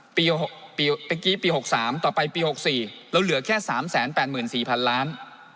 เมื่อกี้ปี๖๓ต่อไปปี๖๔เราเหลือแค่๓๘๔๐๐๐ล้าน